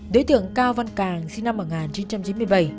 đối tượng cao văn càng sinh năm một nghìn chín trăm chín mươi bảy